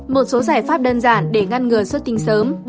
một số giải pháp đơn giản để ngăn ngừa xuất tinh sớm